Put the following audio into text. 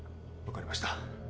分かりました。